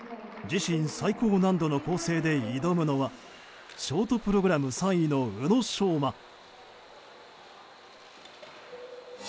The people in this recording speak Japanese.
自身最高難度の構成で挑むのはショートプログラム３位の宇野昌磨。